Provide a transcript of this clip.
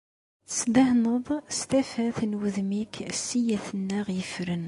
Tesḍehreḍ-d s tafat n wudem-ik sseyyat-nneɣ yeffren.